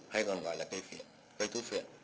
hay còn gọi là cây thuốc viện